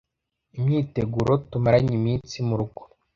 imyiteguro tumaranye iminsi mu rugo